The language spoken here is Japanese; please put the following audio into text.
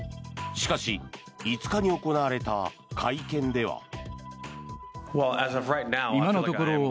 しかし、５日に行われた会見では。